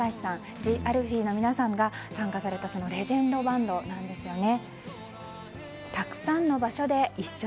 ＴＨＥＡＬＦＥＥの皆さんが参加されたレジェンドバンドなんですよね。